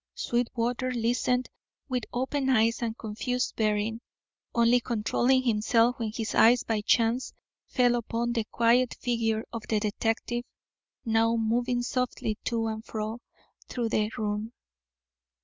Sweetwater listened with open eyes and confused bearing, only controlling himself when his eyes by chance fell upon the quiet figure of the detective, now moving softly to and fro through the room.